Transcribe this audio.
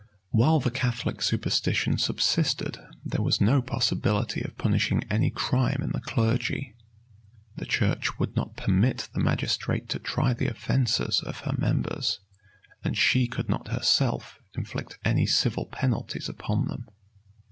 While the Catholic superstition subsisted, there was no possibility of punishing any crime in the clergy: the church would not permit the magistrate to try the offences of her members, and she could not herself inflict any civil penalties upon them.